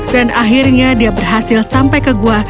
dan akhirnya dia berhasil sampai ke gua